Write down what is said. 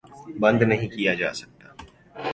بند نہیں کیا جا سکتا